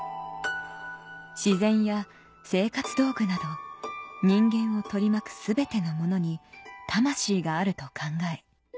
自然や生活道具など人間を取り巻く全てのものに魂があると考え